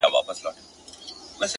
چي بيا ترې ځان را خلاصولای نسم’